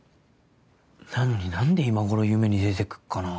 なのに何で今頃夢に出てくっかなぁ。